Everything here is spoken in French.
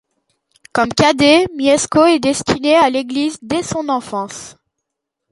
Comme cadet, Mieszko est destiné à l'Église dès son enfance.